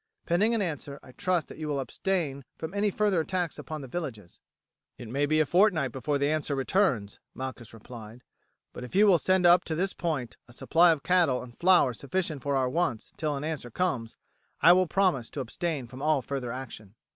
Pending an answer I trust that you will abstain from any further attacks upon the villages." "It may be a fortnight before the answer returns," Malchus replied; "but if you will send up to this point a supply of cattle and flour sufficient for our wants till the answer comes, I will promise to abstain from all further action."